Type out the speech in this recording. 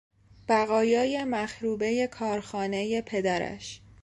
بقایای مخروبهی کارخانهی پدرش